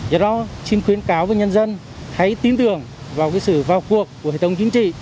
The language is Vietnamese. do đó xin khuyến cáo với nhân dân hãy tin tưởng vào sự vào cuộc của hệ thống chính trị